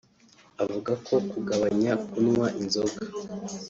avuga ko kugabanya kunywa inzoga